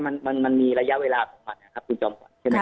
กล้องมันมีระยะเวลาของมันนะครับคุณจอม